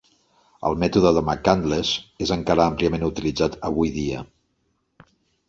El mètode de McCandless és encara àmpliament utilitzat avui dia.